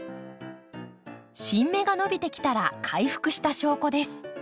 新芽が伸びてきたら回復した証拠です。